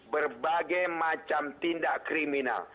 berbagai macam tindak kriminal